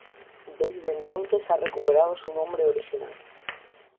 Desde entonces ha recuperado su nombre original.